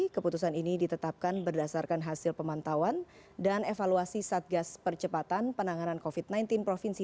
keputusan ini ditetapkan berdasarkan hasil pemantauan dan evaluasi satgas percepatan penanganan komunikasi